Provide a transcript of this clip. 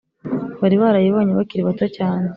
bari barayibonye bakiri bato cyane.